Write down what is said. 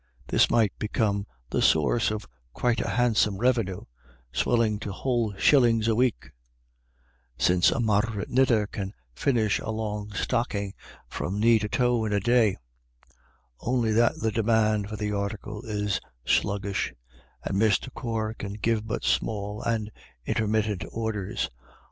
This might become the source of quite a hand some revenue, swelling to whole shillings a week, since a moderate knitter can finish a long stocking from knee to toe in a day ; only that the demand for the article is sluggish, and Mr. Corr can give but small and intermittent orders.